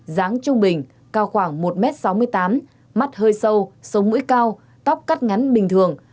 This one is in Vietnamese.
dáng trung bình cao khoảng một m sáu mươi tám mắt hơi sâu sống mũi cao tóc cắt ngắn bình thường